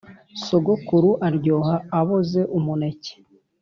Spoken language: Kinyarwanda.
Sogokuru aryoha aboze-Umuneke.